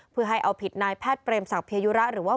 เพื่อให้เอาผิดนายแพทย์เปรมศักดิยุระหรือว่า